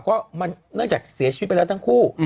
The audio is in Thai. ก็มันเนื่องจากเสียชีวิตไปแล้วทั้งคู่